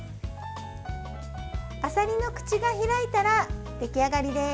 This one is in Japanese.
あさりの口が開いたら出来上がりです。